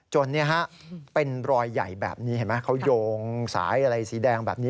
จนเป็นรอยใหญ่แบบนี้เห็นไหมเขาโยงสายอะไรสีแดงแบบนี้